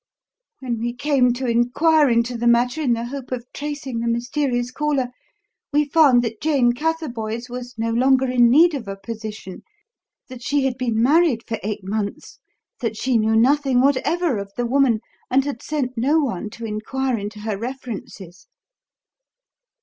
When we came to inquire into the matter in the hope of tracing the mysterious caller, we found that Jane Catherboys was no longer in need of a position; that she had been married for eight months; that she knew nothing whatever of the woman, and had sent no one to inquire into her references."